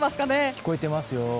聞こえてますよ。